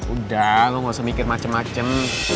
udah lo gak usah mikir macem macem